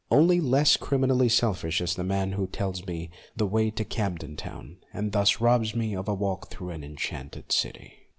Only less crimi nally selfish is the man who tells me the way to Camden Town, and thus robs me of a walk through an enchanted city.